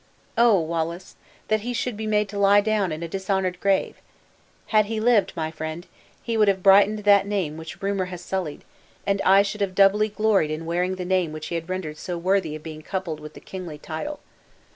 Oh, Wallace! that he should be made to lie down in a dishonored grave! Had he lived, my friend, he would have brightened that name which rumor has sullied, and I should have doubly gloried in wearing the name he had rendered so worthy of being coupled with the kingly title.